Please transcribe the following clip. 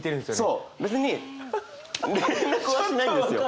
そう別に連絡はしないんですよ。